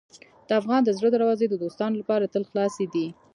د افغان د زړه دروازې د دوستانو لپاره تل خلاصې دي.